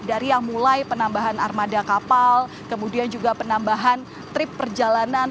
dari yang mulai penambahan armada kapal kemudian juga penambahan trip perjalanan